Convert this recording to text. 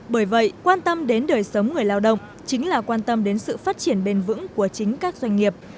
bởi vậy quan tâm đến đời sống người lao động chính là quan tâm đến sự phát triển bền vững của chính các doanh nghiệp